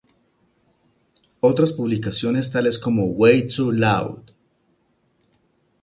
Otras publicaciones tales como Way Too Loud!